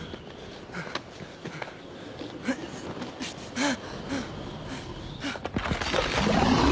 あっ！